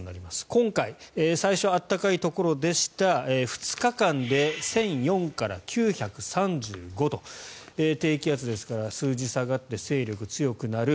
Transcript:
今回、最初、暖かいところでした２日間で１００４から９３５と低気圧ですから数字が下がって勢力は強くなる。